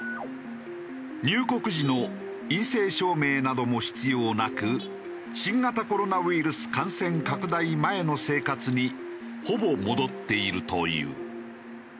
入国時の陰性証明なども必要なく新型コロナウイルス感染拡大前の生活にほぼ戻っているという。